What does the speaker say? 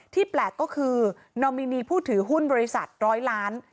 แปลกก็คือนอมินีผู้ถือหุ้นบริษัทร้อยล้าน